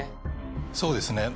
そうですね